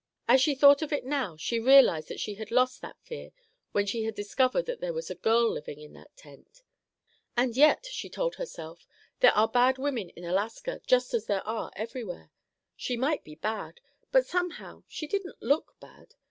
As she thought of it now she realized that she had lost that fear when she had discovered that there was a girl living in that tent. "And yet," she told herself, "there are bad women in Alaska just as there are everywhere. She might be bad, but somehow she didn't look bad.